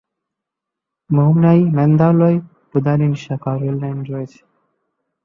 মৌন্যায় Mandalay-Budalin শাখা rail line রয়েছে।